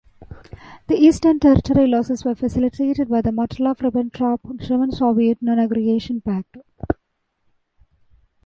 The eastern territory losses were facilitated by the Molotov-Ribbentrop German-Soviet non-aggression pact.